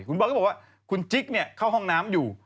คุณบอลก็บอกว่าคุณจิ๊กเข้าห้องน้ำอยู่